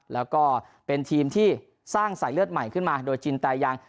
แล้วก็เป็นทีมที่สร้างสายเลือดใหม่ขึ้นมาโดยจินตายัง